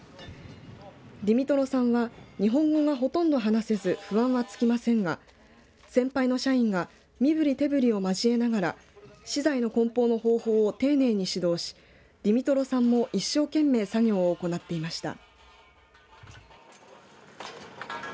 ディミトロさんは日本語がほとんど話せず不安は尽きませんが先輩の社員が身振り手振りを交えながら資材のこん包の方法を丁寧に指導しディミトロさんも一生懸命作業を行っていました。